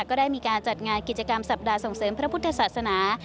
ก็ได้มีการจัดงานกิจกรรมสัปดาห์ส่งเสริมพระพุทธศาสนา